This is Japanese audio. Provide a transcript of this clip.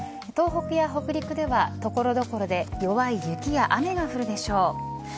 東北や北陸では所々で弱い雪や雨が降るでしょう。